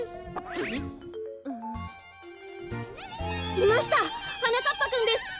いましたはなかっぱくんです。